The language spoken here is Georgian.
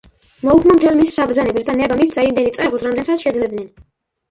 მოუხმო მთელ მის საბრძანებელს და ნება მისცა იმდენი წაეღოთ, რამდენსაც შეძლებდნენ.